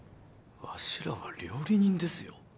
わしらは料理人ですよ